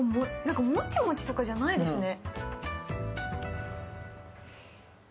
モチモチとかじゃないですね。